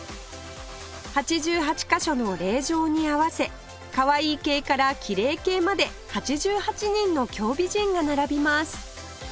８８カ所の霊場に合わせかわいい系からきれい系まで８８人の京美人が並びます